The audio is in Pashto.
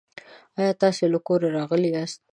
آیا تاسو له کوره راغلي یاست؟